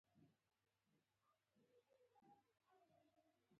ډګروال عسکر ته د وتلو اشاره وکړه او هغوی یوازې پاتې شول